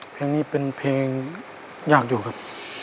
เพลงนี้เป็นเพลงยากอยู่ครับ